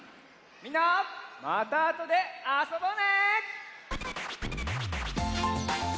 みんなまたあとであそぼうね！